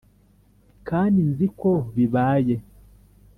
kandi nzi ko bibaye